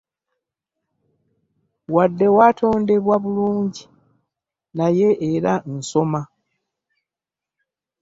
Wadde watondebwa bulungi naye era soma.